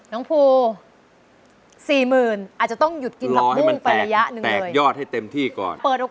น้องฟู๔๐๐๐๐บาทอาจจะต้องหยุดกินหลักภูมิประยะหนึ่งเลย